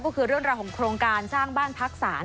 ก็คือเรื่องราวของโครงการสร้างบ้านพักศาล